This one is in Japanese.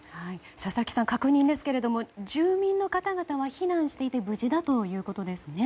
佐々木さん、確認ですが住民の方々は避難していて無事だということですね。